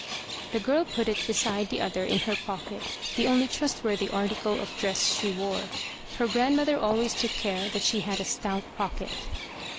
The girl put it beside the other in her pocket, the only trustworthy article of dress she wore. Her grandmother always took care that she had a stout pocket.